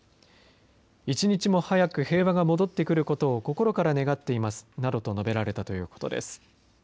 １日も早く平和が戻ってくることを心から願っていますなどと述べられたということです。